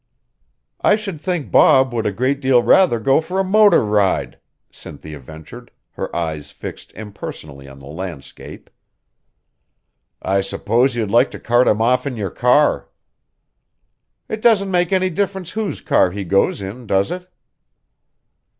"I should think Bob would a great deal rather go for a motor ride," Cynthia ventured, her eyes fixed impersonally on the landscape. "I suppose you'd like to cart him off in your car." "It doesn't make any difference whose car he goes in, does it?"